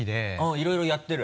いろいろやってる？